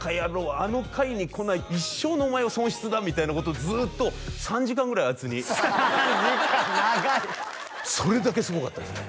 「あの回に来ないって一生のお前は損失だ」みたいなことをずっと３時間ぐらいあいつに３時間長いそれだけすごかったですね